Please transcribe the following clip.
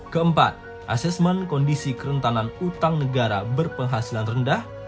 keempat asesmen kondisi kerentanan utang negara berpenghasilan rendah